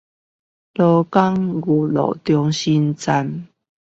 勞工育樂中心站